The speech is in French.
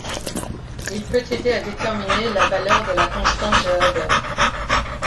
Il peut aider à déterminer la valeur de la constante de Hubble.